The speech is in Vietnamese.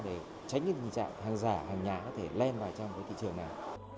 để tránh những hình trạng hàng giả hàng nhà có thể len vào trong cái thị trường này